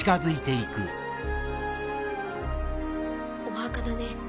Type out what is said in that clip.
お墓だね。